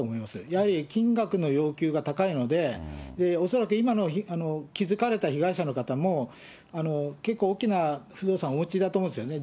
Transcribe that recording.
やはり金額の要求が高いので、恐らく今の気付かれた被害者の方も、結構大きな不動産お持ちだと思うんですよね。